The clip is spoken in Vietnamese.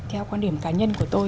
theo quan điểm cá nhân của tôi